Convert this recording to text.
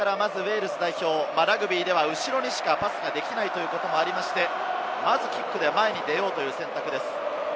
ラグビーでは後ろにしかパスができないということもありまして、まずキックで前に出ようという選択です。